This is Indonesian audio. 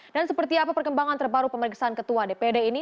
dan seperti apa perkembangan terbaru pemeriksaan ketua dpd ini